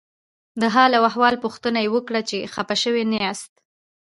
د حال او احوال پوښتنه یې وکړه چې خپه شوي نه یاست.